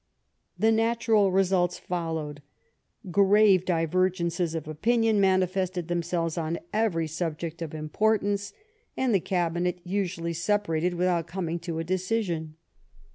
The natural results followed ; grave divergences of opinion manifested themselves on every subject of importance, and the Cabinet usually separated without coming to a decision.